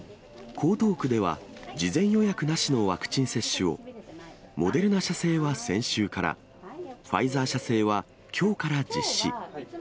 江東区では、事前予約なしのワクチン接種を、モデルナ社製は先週から、ファイザー社製はきょうから実施。